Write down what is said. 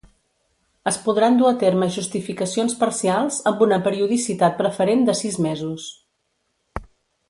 Es podran dur a terme justificacions parcials amb una periodicitat preferent de sis mesos.